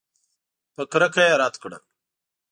په کرکه یې رد کړه.